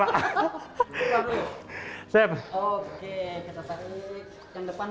yang depan perlodanya ini